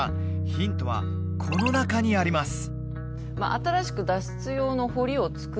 ヒントはこの中にあります